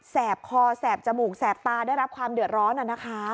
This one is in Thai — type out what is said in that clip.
คอแสบจมูกแสบตาได้รับความเดือดร้อนน่ะนะคะ